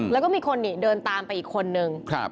แล้วก็มีคนเดินตามไปอีกคนนึง